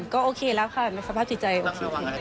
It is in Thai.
ก็โอเคแล้วค่ะในสภาพสิจัยโอเค